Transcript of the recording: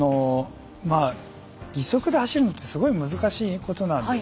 義足で走るのはすごく難しいことなんです。